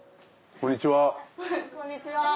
こんにちは。